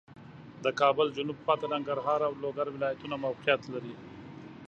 د کابل جنوب خواته ننګرهار او لوګر ولایتونه موقعیت لري